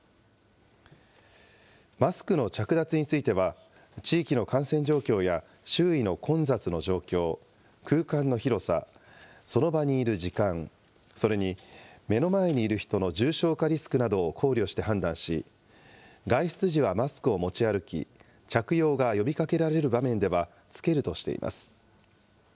マスクの着脱については、地域の感染状況や周囲の混雑の状況、空間の広さ、その場にいる時間、それに、目の前にいる人の重症化リスクなどを考慮して判断し、外出時はマスクを持ち歩き、着用が呼びかけられる場面では着けるとしています。